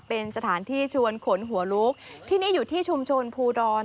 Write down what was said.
เป็นสถานที่ชวนขนหัวลุกที่นี่อยู่ที่ชุมชนภูดร